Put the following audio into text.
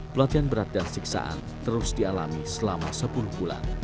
pelatihan berat dan siksaan terus dialami selama sepuluh bulan